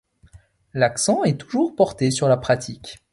L’accent est toujours porté sur la pratique.